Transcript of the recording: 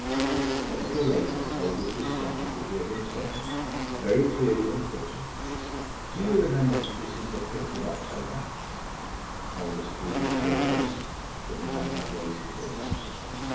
A little later Aldous was startled to hear him say, very clearly and quickly: "Do you remember that this is the fifth of October?" Aldous drew his chair closer, that he might not raise his voice.